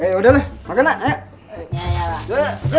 eh udah lah makan lah ayo